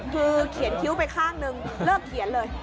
คือเขียนคิ้วไปข้างนึงเริ่มเขียนเลย